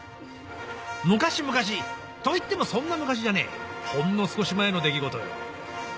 昔々といってもそんな昔じゃねえほんの少し前の出来事よ。